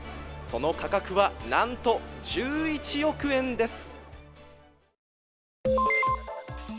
その価格はなんと１１億円です。